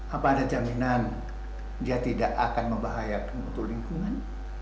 apa ada jaminan dia tidak akan membahayakan untuk lingkungan